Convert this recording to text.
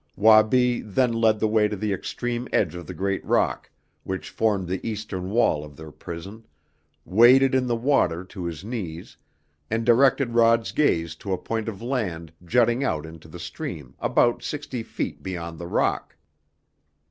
Wabi then led the way to the extreme edge of the great rock which formed the eastern wall of their prison, waded in the water to his knees, and directed Rod's gaze to a point of land jutting out into the stream about sixty feet beyond the rock.